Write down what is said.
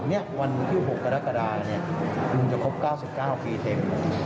เนี่ยวันที่๖กรกฎาเนี่ยลุงจะครบ๙๙ปีเต็ม